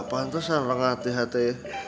pantasan lah hati hati